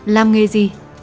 làm nghề gì